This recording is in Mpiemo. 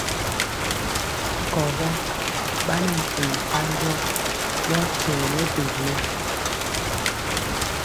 Kɔgɔ ɓa nɛ mpul mpanjɔ ɓɔɔ kyɛwɛ mɛvele.